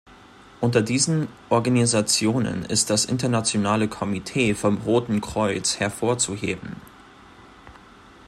Unter diesen Organisationen ist das Internationale Komitee vom Roten Kreuz hervorzuheben.